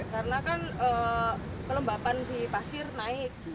karena kan kelembapan di pasir naik